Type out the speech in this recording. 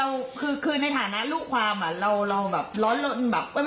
แล้วเงื่อนไขที่๓ในฐานะรู้ความเราร้อนใจไหม